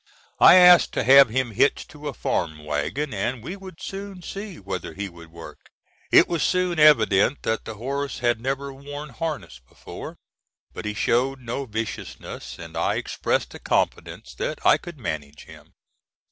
I asked to have him hitched to a farm wagon and we would soon see whether he would work. It was soon evident that the horse had never worn harness before; but he showed no viciousness, and I expressed a confidence that I could manage him.